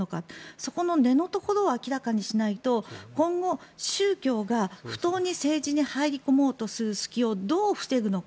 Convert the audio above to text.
そこの根のところを明らかにしないと今後、宗教が不当に政治に入り込もうとする隙をどう防ぐのか。